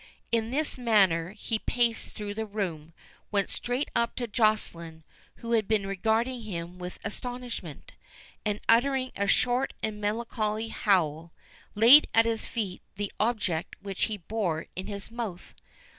In this manner he paced through the room, went straight up to Joceline, who had been regarding him with astonishment, and uttering a short and melancholy howl, laid at his feet the object which he bore in his mouth.